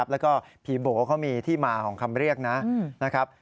แล้วก็ผีโบ๋เขามีที่มาของคำเรียกนะครับ